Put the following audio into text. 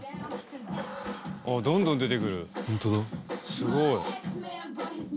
すごい。